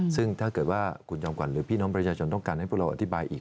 ซึ่งถ้าเกิดว่าคุณจอมขวัญหรือพี่น้องประชาชนต้องการให้พวกเราอธิบายอีก